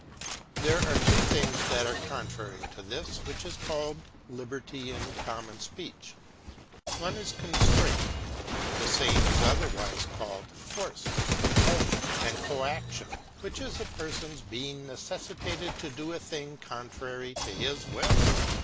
There are two things that are contrary to this, which is called liberty in common speech. One is constraint ; the same is otherwise called force, compulsion, and coac tion, which is a person's being necessitated to do a thing contrary to his will.